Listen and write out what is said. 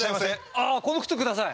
ああこの靴ください。